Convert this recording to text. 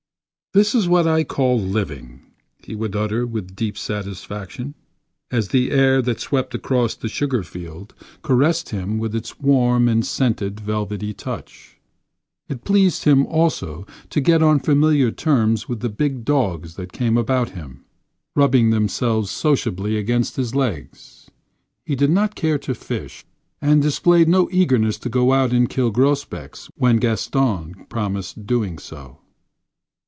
"This is what I call living," he would utter with deep satisfaction, as the air that swept across the sugar field caressed him with its warm and scented velvety touch. It pleased him also to get on familiar terms with the big dogs that came about him, rubbing themselves sociably against his legs. He did not care to fish, and displayed no eagerness to go out and kill grosbecs when Gaston proposed doing so.